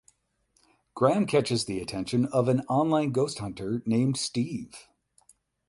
Graham catches the attention of an online ghost hunter named Steve.